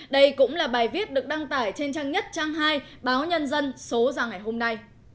đây cũng là bài viết được đăng tải trên trang nhất trang hai báo nhân dân số ra ngày hôm nay